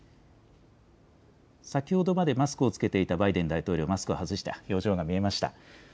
先ほどまでマスクを着けていたバイデン大統領、マスクを外し、表情が見えました。